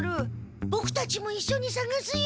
ボクたちもいっしょにさがすよ。